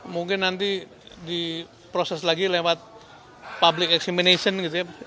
mungkin nanti diproses lagi lewat public examination gitu ya